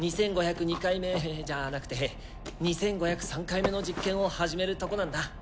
２，５０２回目じゃなくて２，５０３回目の実験を始めるとこなんだ。